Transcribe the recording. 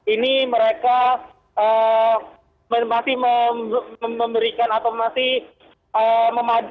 ini mereka masih memberikan atau masih mencoba untuk memadamkan api